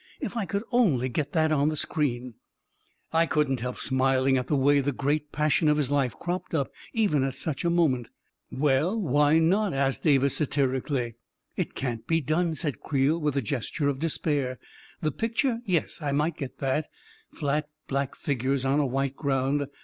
" If I could only get that on the screen I " I couldn't help smiling at the way the great pas sion of his life cropped up, even at such a moment !" Well, why not? " asked Davis satirically. " It can't be done," said Creel, with a gesture of despair. " The picture — yes, I might get that — flat black figures on a white ground.